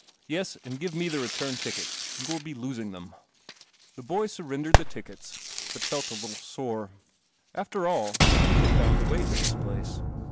Yes, and give me the return tickets. You will be losing them." The boy surrendered the tickets, but felt a little sore. After all, he had found the way to this place.